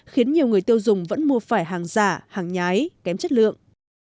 khiến nhiều người tiêu dùng vẫn mua phải hàng giả hàng nhái kém chất lượng